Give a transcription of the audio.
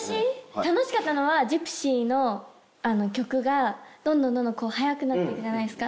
楽しかったのは「ジプシー」の曲がどんどんどんどん速くなっていくじゃないですか。